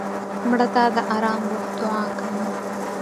مړه ته د ارام روح دعا کوو